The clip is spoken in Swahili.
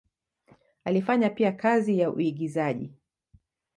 Alifanya pia kazi ya uigizaji.